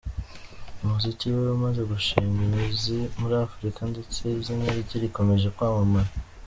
Umuziki we umaze gushinga imizi muri Afurika ndetse izina rye rikomeje kwamamara.